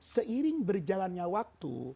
seiring berjalannya waktu